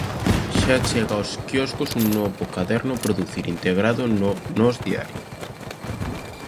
Xa chega aos quioscos un novo caderno 'Producir' integrado no Nós Diario.